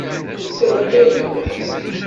Netta d amaru yelhan.